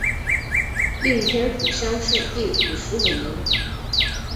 应天府乡试第五十五名。